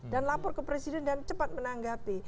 dan lapor ke presiden dan cepat menanggapi